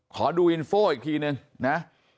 ขอดูอินโฟอีกทีหนึ่ง